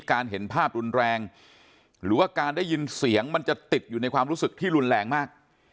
เห็นภาพรุนแรงหรือว่าการได้ยินเสียงมันจะติดอยู่ในความรู้สึกที่รุนแรงมาก